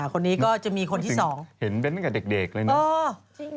คนนี้ก็จะมีคนที่สองเห็นเป็นกับเด็กเลยนะ